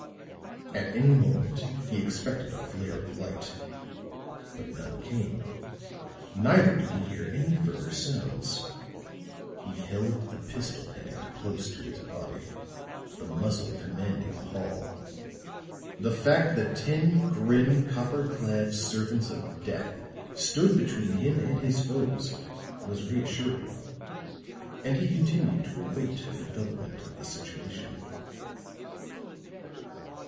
At any moment he expected a flare of light, but none came; neither did he hear any further sounds. He held the pistol hand close to his body, the muzzle commanding the hall; the fact that ten grim, copper clad servants of death stood between him and his foes was reassuring, and he continued to await the development of the situation.